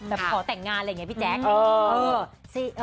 ขอแต่งงานอะไรอย่างนี้พี่แจ๊ค